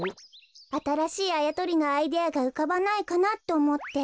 あたらしいあやとりのアイデアがうかばないかなっておもって。